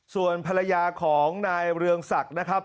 ส่วนภรรยาของนายเรืองศักดิ์นะครับ